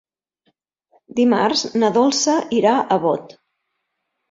Dimarts na Dolça irà a Bot.